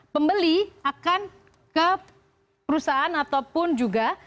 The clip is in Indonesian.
pembeli akan ke perusahaan ataupun juga